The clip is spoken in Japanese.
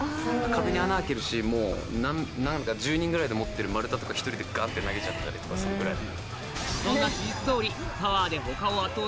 壁に穴開けるシーンも１０人ぐらいで持ってる丸太とか１人でガッて投げちゃったりとかするぐらい。